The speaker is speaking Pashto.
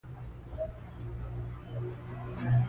د سیلاني ځایونو د اړتیاوو پوره کولو لپاره اقدامات کېږي.